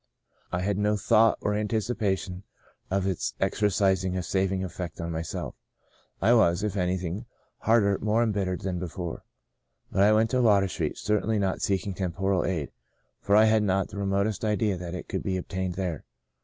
I had no thought or anticipation of its exercising a saving effect on myself. I was, if anything, harder, more embittered, than before. But I went to Water Street — certainly not seek ing temporal aid, for I had not the remotest idea that it could be obtained there.